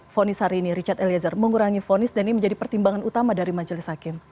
fonis hari ini richard eliezer mengurangi fonis dan ini menjadi pertimbangan utama dari majelis hakim